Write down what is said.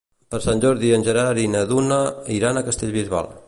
Per Sant Jordi en Gerard i na Duna iran a Castellbisbal.